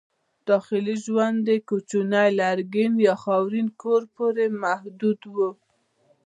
داخلي ژوند یې کوچني لرګین یا خاورین کور پورې محدود و.